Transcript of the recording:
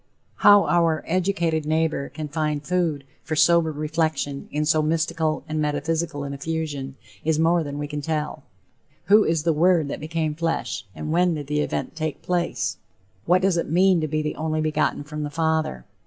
How our educated neighbor can find food for sober reflection in so mystical and metaphysical an effusion, is more than we can tell. Who is the Word that became flesh? And when did the event take place? What does it mean to be the "only begotten from the Father?"